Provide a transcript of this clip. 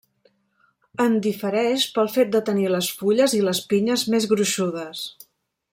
En difereix pel fet de tenir les fulles i les pinyes més gruixudes.